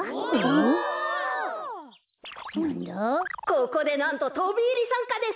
ここでなんととびいりさんかです。